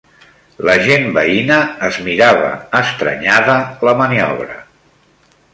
La gent veïna es mirava, estranyada, la maniobra